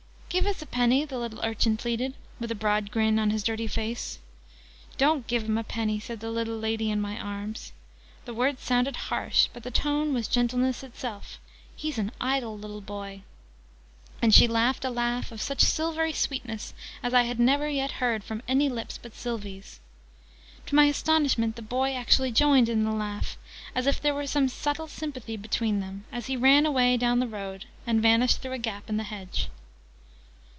"Give us a 'ap'ny!" the little urchin pleaded, with a broad grin on his dirty face. "Don't give him a 'ap'ny!" said the little lady in my arms. The words sounded harsh: but the tone was gentleness itself. "He's an idle little boy!" And she laughed a laugh of such silvery sweetness as I had never yet heard from any lips but Sylvie's. To my astonishment, the boy actually joined in the laugh, as if there were some subtle sympathy between them, as he ran away down the road and vanished through a gap in the hedge.